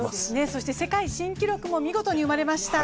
そして世界新記録も見事に生まれました。